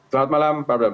selamat malam pak bram